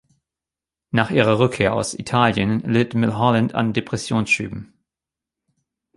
Nach ihrer Rückkehr aus Italien litt Milholland an Depressionsschüben.